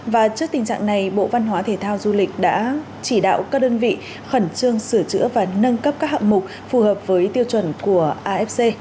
và trước tình trạng này bộ văn hóa thể thao du lịch đã chỉ đạo các đơn vị khẩn trương sửa chữa và nâng cấp các hạng mục phù hợp với tiêu chuẩn của afc